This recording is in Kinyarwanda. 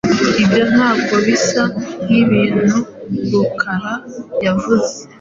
Ibyo ntabwo bisa nkikintu Rukara yavuga.